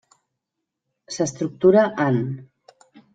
S'estructura en: